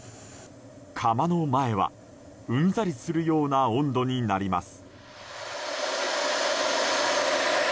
窯の前はうんざりするような温度になります。